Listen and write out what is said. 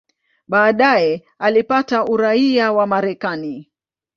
Baadaye alipata uraia wa Marekani.